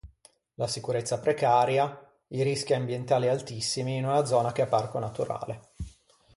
La sicurezza precaria; i rischi ambientali altissimi, in una zona che è parco naturale.